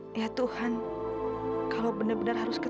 sekarang lo penasaran kan